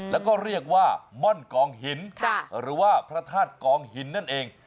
แล้วก็เรียกว่าม่อนกองหินหรือว่าพระธาตุกองหินนั่นเอง